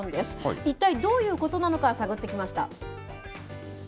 一体どういうことなのか、探ってきました。